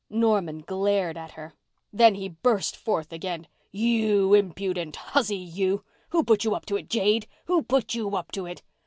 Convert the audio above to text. Norman glared at her. Then he burst forth again. "You impudent hussy—you! Who put you up to it, jade? Who put you up to it?"